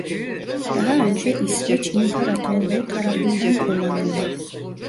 Daha önce İsveç İmparatorluğu tarafından kullanıldı.